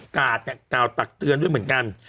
กาดเนี่ยกล่าวตักเตือนด้วยเหมือนกัน